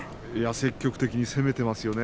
積極的に攻めてますよね